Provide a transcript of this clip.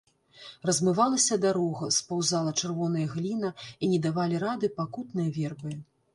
Размывалася дарога, спаўзала чырвоная гліна, і не давалі рады пакутныя вербы.